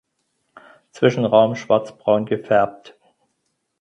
Zwischenraum schwarzbraun gefärbt.